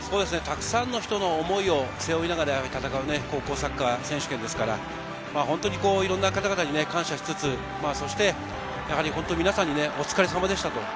たくさんの人の思いを背負いながら戦う高校サッカー選手権ですから、いろんな方々に感謝をしつつ、皆さまにお疲れさまでした。